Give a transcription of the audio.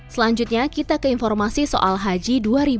selanjutnya kita ke informasi soal haji dua ribu dua puluh